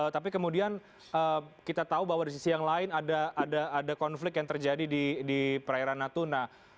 tapi kemudian kita tahu bahwa di sisi yang lain ada konflik yang terjadi di perairan natuna